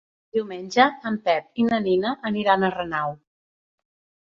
Diumenge en Pep i na Nina aniran a Renau.